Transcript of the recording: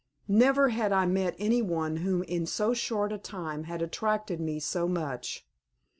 Never had I met any one whom in so short a time had attracted me so much.